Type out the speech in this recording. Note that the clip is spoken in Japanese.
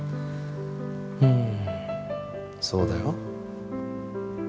うんそうだよ。